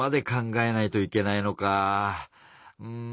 「うん」。